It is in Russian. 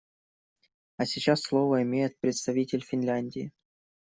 А сейчас слово имеет представитель Финляндии.